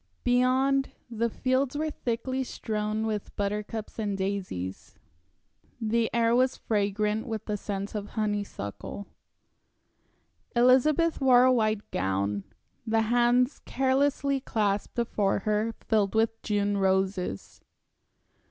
Beyond, the fields were thickly strewn with buttercups and daisies. The air was fragrant with the scent of honeysuckle. Elizabeth wore a white gown; the hands carelessly clasped before her were filled with June roses.